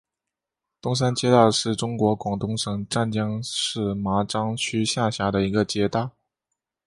东山街道是中国广东省湛江市麻章区下辖的一个街道。